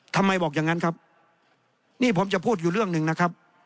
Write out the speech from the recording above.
ทำไมบอกอย่างนั้นครับนี่ผมจะพูดอยู่เรื่องหนึ่งนะครับ